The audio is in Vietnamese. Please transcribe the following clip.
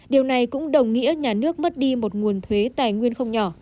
điều này cũng đồng nghĩa nhà nước mất đi một nguồn thuế tài nguyên không nhỏ